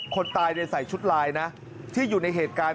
คนตายใส่ชุดลายนะที่อยู่ในเหตุการณ์